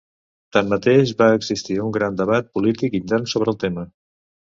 Tanmateix, va existir un gran debat polític intern sobre el tema.